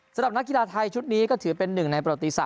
สำหรับนักกีฬาไทยชุดนี้ก็ถือเป็นหนึ่งในประติศาส